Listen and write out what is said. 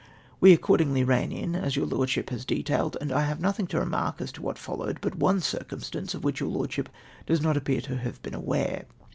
" AVe accordingly ran in, as your Lordship has detailed, and I have nothing to remark as to what followed but one circum stance, of which your Lordship does not appear to have been aware.